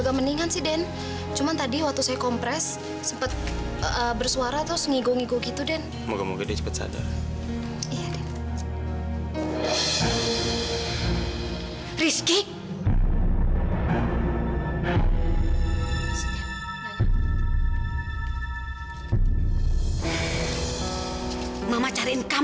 sampai jumpa di video selanjutnya